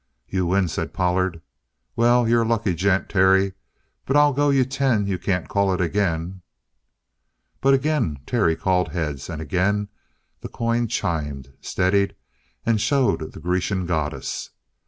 "You win," said Pollard. "Well, you're a lucky gent, Terry, but I'll go you ten you can't call it again." But again Terry called heads, and again the coin chimed, steadied, and showed the Grecian goddess.